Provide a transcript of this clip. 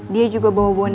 dia juga bawa boneka lagi